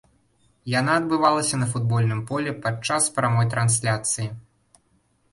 Яна адбывалася на футбольным полі падчас прамой трансляцыі.